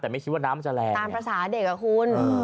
แต่ไม่คิดว่าน้ำมันจะแรงนะครับตามภาษาเด็กเหรอคุณ